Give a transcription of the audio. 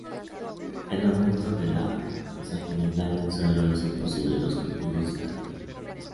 El aumento de la salinidad del suelo hizo imposibles los cultivos y la vida.